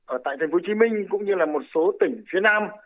ở tp hcm cũng như là một số tỉnh phía nam